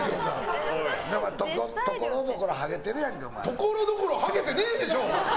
ところどころハゲてねえでしょ！